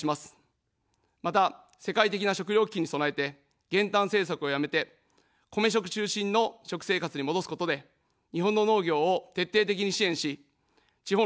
また、世界的な食糧危機に備えて、減反政策をやめて、米食中心の食生活に戻すことで日本の農業を徹底的に支援し、地方の再生に努めます。